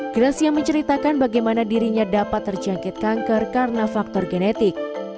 gracia menceritakan bagaimana dirinya dapat terjangkit kanker karena faktor genetik